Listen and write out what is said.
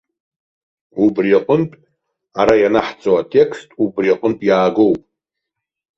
Убри аҟнытә ара ианаҳҵо атекст убри аҟнытә иаагоуп.